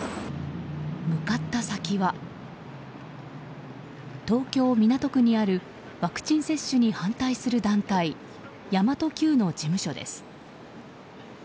向かった先は、東京・港区にあるワクチン接種に反対する団体神真都Ｑの事務所です。